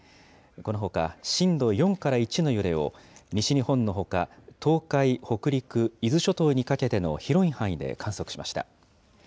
このほか、震度４から１の揺れを西日本のほか、東海、北陸、伊豆諸島にかけての広い範囲で観測しました。